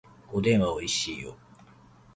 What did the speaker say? おでんはおいしいよ